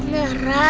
maksudnya ada sih